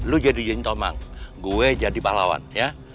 lo jadi yang tau mang gue jadi pahlawan ya